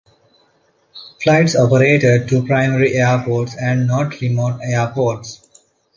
Flights operated to primary airports and not remote airports.